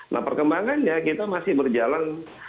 nah perkembangannya kita masih berjalan